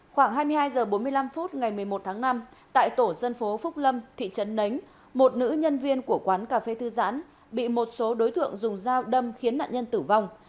khoảng hai mươi hai h bốn mươi năm phút ngày một mươi một tháng năm tại tổ dân phố phúc lâm thị trấn nánh một nữ nhân viên của quán cà phê thư giãn bị một số đối tượng dùng dao đâm khiến nạn nhân tử vong